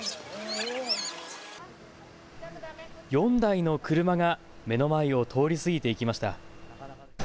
４台の車が目の前を通り過ぎていきました。